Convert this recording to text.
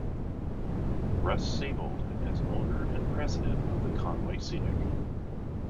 Russ Seybold is owner and president of the Conway Scenic.